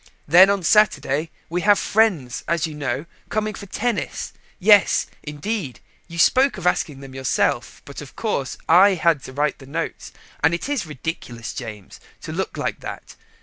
Then on Saturday we have friends, as you know, coming for tennis. Yes, indeed, you spoke of asking them yourself, but, of course, I had to write the notes, and it is ridiculous, James, to look like that.